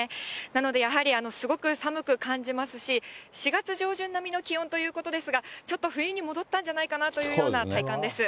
なのでやはりすごく寒く感じますし、４月上旬並みの気温ということですが、ちょっと冬に戻ったんじゃないかなというような体感です。